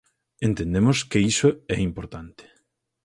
Entendemos que iso é importante.